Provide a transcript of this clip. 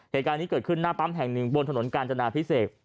เหตุการณ์นี้เกิดขึ้นหน้าปั๊มแห่งหนึ่งบนถนนกาญจนาพิเศษ